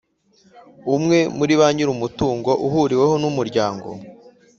Umwe muri ba nyir umutungo uhuriweho numuryango